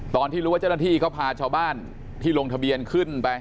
ตอนที่รู้ว่าเจ้าหน้าที่เขาพาชาวบ้านที่ลงทะเบียนขึ้นไป